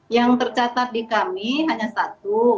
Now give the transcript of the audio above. yang tercatat di kami hanya satu